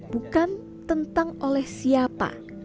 bukan tentang oleh siapa